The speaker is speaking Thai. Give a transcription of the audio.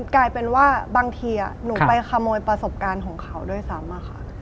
กลายเป็นว่าบางทีหนูไปขโมยประสบการณ์ของเขาด้วยซ้ำอะค่ะ